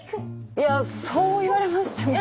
いやそう言われましても。